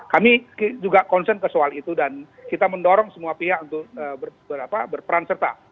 kami juga concern ke soal itu dan kita mendorong semua pihak untuk berperan serta